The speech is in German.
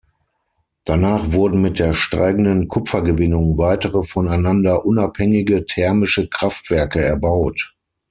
Danach wurden mit der steigenden Kupfergewinnung weitere, voneinander unabhängige thermische Kraftwerke erbaut.